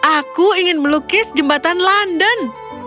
aku ingin melukis jembatan london